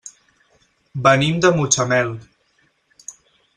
Venim de Mutxamel.